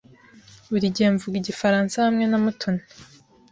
Buri gihe mvuga igifaransa hamwe na Mutoni.